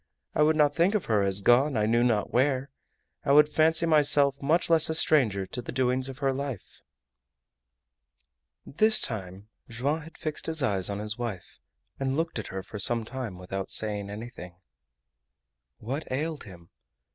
I would not think of her as gone I knew not where. I would fancy myself much less a stranger to the doings of her life." This time Joam had fixed his eyes on his wife and looked at her for some time without saying anything. What ailed him?